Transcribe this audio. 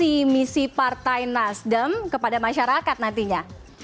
dari misi partai nasdem kepada masyarakat nantinya